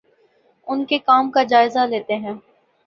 اُن کے کام کا جائزہ لیتے ہیں